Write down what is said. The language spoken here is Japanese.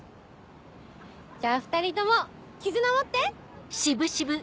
じゃあ２人とも絆持って！